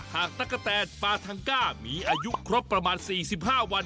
ตะกะแตนปาทังก้ามีอายุครบประมาณ๔๕วัน